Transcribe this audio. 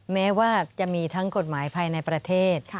แม้ว่าจะมีทั้งกฎหมายภายในประเทศ